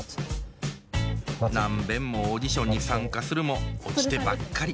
何べんもオーディションに参加するも落ちてばっかり。